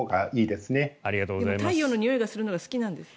でも太陽のにおいがするのが好きなんです。